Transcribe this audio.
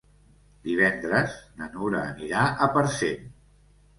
Divendres na Nura anirà a Parcent.